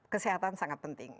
kesehatan sangat penting